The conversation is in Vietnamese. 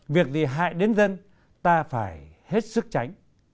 việc gì hại đến dân ta phải hết sức tránh